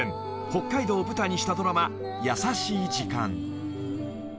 北海道を舞台にしたドラマ『優しい時間』］